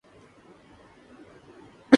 عام طور پر نظر نہیں آتے